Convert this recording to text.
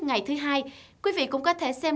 ngày thứ hai quý vị cũng có thể xem